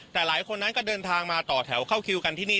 แต่หลายคนนั้นก็เดินทางมาต่อแถวเข้าคิวกันที่นี่